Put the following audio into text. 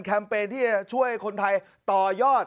เปญที่จะช่วยคนไทยต่อยอด